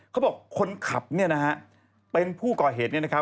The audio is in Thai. เขาบอกคนขับเป็นผู้ก่อเหตุ